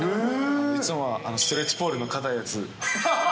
いつもはストレッチポールの硬いやつ。